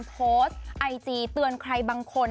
โพสต์ไอจีเตือนใครบางคน